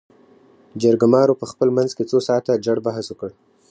جرګمارو په خپل منځ کې څو ساعاته جړ بحث وکړ.